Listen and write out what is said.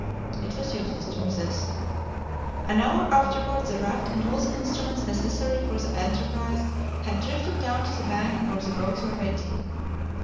It was useless to resist. An hour afterward the raft and all the instruments necessary for the enterprise had drifted down to the bank where the boats were waiting.